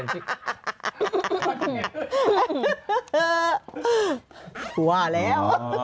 อ๋อยังไม่จบยังไม่จบ